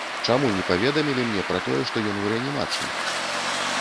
Чаму не паведамілі мне пра тое, што ён у рэанімацыі?